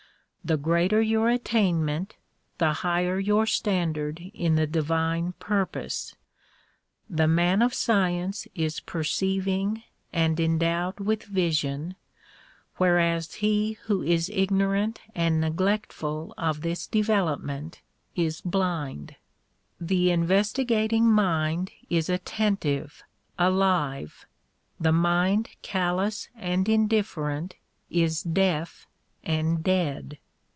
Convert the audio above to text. The greater your attainment, the higher your standard in the di vine purpose. The man of science is perceiving and endowed with vision whereas he who is ignorant and neglectful of this develop tnent is blind. The investigating mind is attentive, alive ; the mind callous and indifferent is deaf and dead.